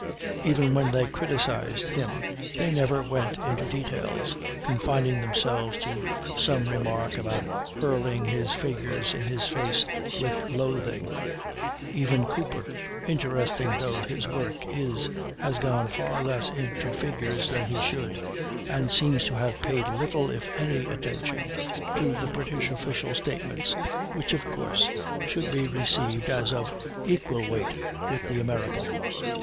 Even when they criticised him they never went into details, confining themselves to some remark about "hurling" his figures in his face with "loathing." Even Cooper, interesting though his work is, has gone far less into figures than he should, and seems to have paid little if any attention to the British official statements, which of course should be received as of equal weight with the American.